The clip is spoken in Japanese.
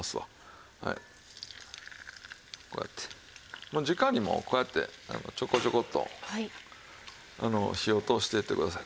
はいこうやってもうじかにもうこうやってなんかちょこちょこっと火を通していってください。